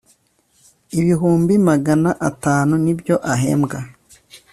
ibihumbi magana atanu nibyo ahembwa.